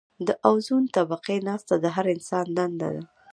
د اوزون طبقې ساتنه د هر انسان دنده ده.